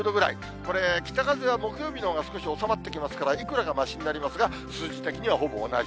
これね、北風が木曜日のほうが少し収まってきますから、いくらかましになりますが、数字的にはほぼ同じ。